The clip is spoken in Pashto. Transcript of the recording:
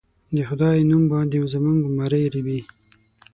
د خدای نوم باندې زموږه مرۍ رېبي